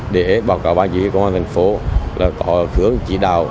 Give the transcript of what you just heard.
để báo cáo ban chí công an thành phố là có hướng chỉ đạo